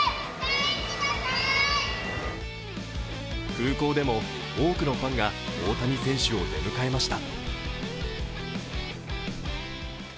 空港でも多くのファンが大谷選手を出迎えました。